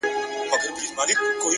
هره لاسته راوړنه د زحمت نتیجه ده,